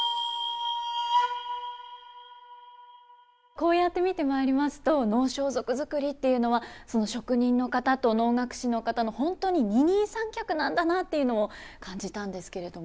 こうやって見てまいりますと能装束作りっていうのはその職人の方と能楽師の方の本当に二人三脚なんだなっていうのを感じたんですけれども。